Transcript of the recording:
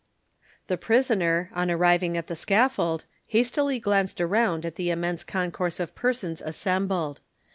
The prisoner, on arriving at the scaffold, hastily glanced around at the immense concourse of persons assembled.